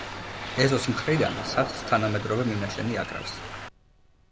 ეზოს მხრიდან სახლს თანამედროვე მინაშენი აკრავს.